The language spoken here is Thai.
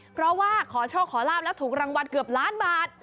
เพราะว่าขอโชคขอลาบแล้วถูกรางวัลเกือบล้านบาท